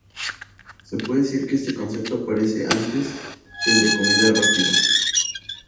Se puede decir que este concepto aparece antes que el de comida rápida.